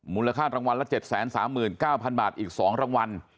มูลค่ารางวัลละ๗๓๙๐๐บาทอีก๒รางวัล